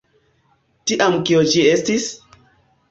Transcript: Tiam kio ĝi estis?